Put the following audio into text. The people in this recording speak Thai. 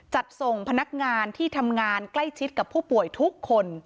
จัดส่งพนักงานที่ทำงานใกล้ชิดกับผู้ป่วยทุกคน